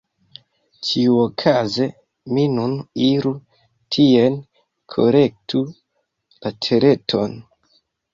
Ĉiuokaze mi nun iru tien, kolektu la Tereton…